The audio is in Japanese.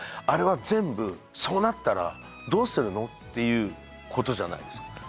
あれは全部そうなったらどうするの？っていうことじゃないですか。